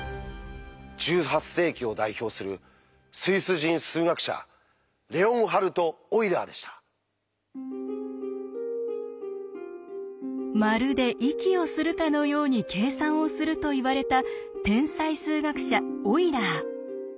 １８世紀を代表するスイス人数学者「まるで息をするかのように計算をする」といわれた天才数学者オイラー。